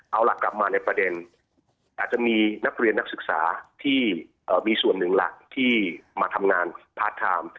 เอาล่ะกลับมาในประเด็นอาจจะมีนักเรียนนักศึกษาที่มีส่วนหนึ่งล่ะที่มาทำงานพาร์ทไทม์